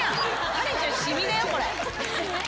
カレンちゃんシミだよこれ。